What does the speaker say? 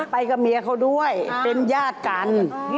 ไปกับเมียเขาด้วยเป็นญาติกัน